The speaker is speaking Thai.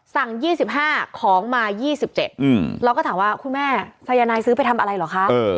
๒๕ของมา๒๗เราก็ถามว่าคุณแม่สายนายซื้อไปทำอะไรเหรอคะ